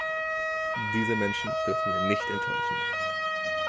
Diese Menschen dürfen wir nicht enttäuschen.